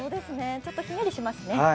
ちょっとひんやりしますね。